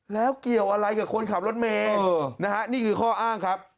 แล้วเกี่ยวอะไรกับคนขับรถเมย์นะฮะนี่คือข้ออ้างครับ